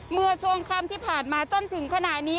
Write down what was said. เมื่อช่วงค่ำที่ผ่านมาจนถึงขณะนี้